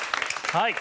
はい。